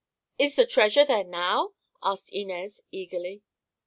"Is the treasure there now?" asked Inez eagerly.